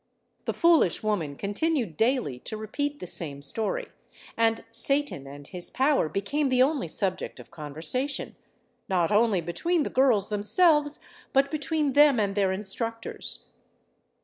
The foolish woman continued daily to repeat the same story, and Satan and his power became the only subject of conversation, not only between the girls themselves, but between them and their instructors.